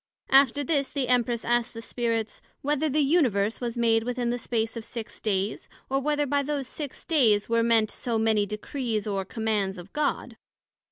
After this, the Empress asked the Spirits, Whether the Universe was made within the space of six days, or, Whether by those six days, were meant so many Decrees or Commands of God?